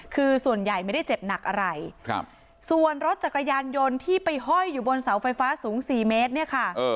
คือส่วนใหญ่ไม่ได้เจ็บหนักอะไรครับส่วนรถจักรยานยนต์ที่ไปห้อยอยู่บนเสาไฟฟ้าสูงสี่เมตรเนี่ยค่ะ